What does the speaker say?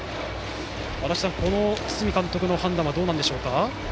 足達さん、この堤監督の判断はどうなんでしょうか？